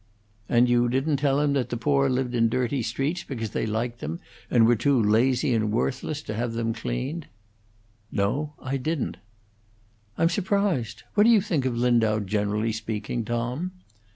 "And you didn't tell him that the poor lived in dirty streets because they liked them, and were too lazy and worthless to have them cleaned?" "No; I didn't." "I'm surprised. What do you think of Lindau, generally speaking, Tom?"